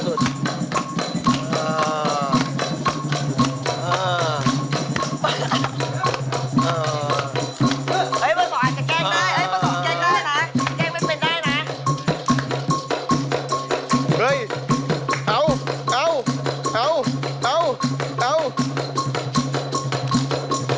เฮ้ยเฮ้ยเอาเอาเอาเอา